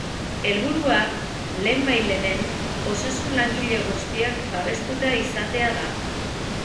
Helburua, lehenbailehenen, osasun langile guztiak babestuta izatea da.